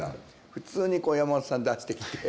普通に山本さん出してきて。